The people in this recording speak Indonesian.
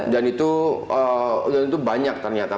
dan itu banyak ternyata